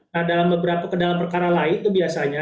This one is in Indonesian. nah dalam beberapa ke dalam perkara lain itu biasanya